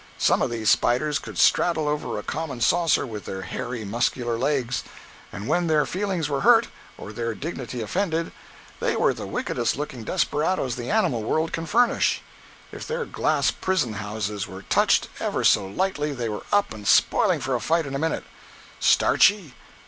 Some of these spiders could straddle over a common saucer with their hairy, muscular legs, and when their feelings were hurt, or their dignity offended, they were the wickedest looking desperadoes the animal world can furnish. If their glass prison houses were touched ever so lightly they were up and spoiling for a fight in a minute. Starchy?